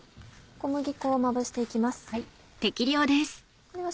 小麦粉をまぶして行きます。